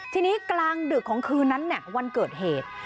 ทีนี้กลางดึกของคืนนั้นวันเกิดเหตุ